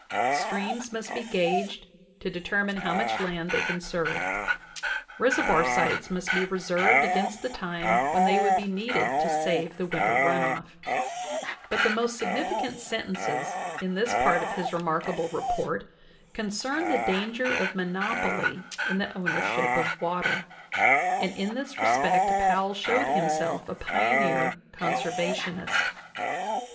Streams must be gauged to determine how much land they can serve; reservoir sites must be reserved against the time when thejcA will be needed to save the winter run ofLjlBut the most sig nificant sentences in this part of his remarkable report concern the danger of monopoly in the ownership of water, and in this respect Powell showed himself a pioneer conservationist^jHe.